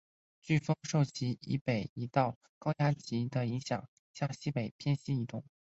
飓风受其以北的一道高压脊的影响下向西北偏西移动。